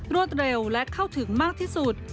รวดเร็วและเข้าถึงมากที่สุด